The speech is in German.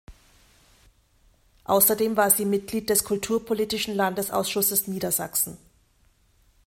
Außerdem war sie Mitglied des Kulturpolitischen Landesausschusses Niedersachsen.